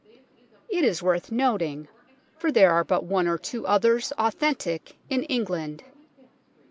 It is worth noting, for there are but one or two others authentic in England.